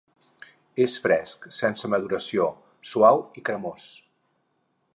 És fresc, sense maduració, suau i cremós.